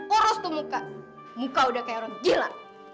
oros tuh muka muka udah kayak orang jila